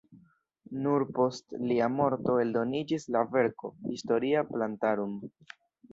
Nur post lia morto eldoniĝis la verko "Historia plantarum".